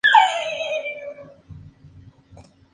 Principles of animal physiology.